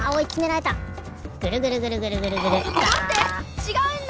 違うんだ！